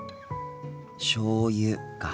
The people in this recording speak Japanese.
しょうゆか。